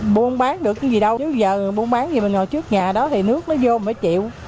buôn bán được cái gì đâu nếu giờ buôn bán gì mình ngồi trước nhà đó thì nước nó vô mình phải chịu